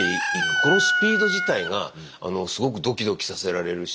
このスピード自体がすごくドキドキさせられるし。